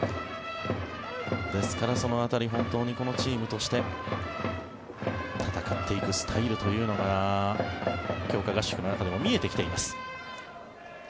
ですから、その辺り本当にこのチームとして戦っていくスタイルというのが強化合宿の中でも見えてきています。